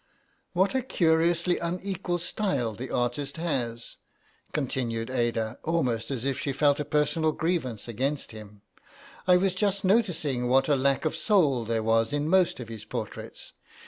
"What a curiously unequal style the artist has," continued Ada, almost as if she felt a personal grievance against him; "I was just noticing what a lack of soul there was in most of his portraits.